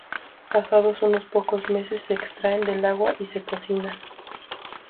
Pasados unos pocos meses, se extraen del agua y se cocinan.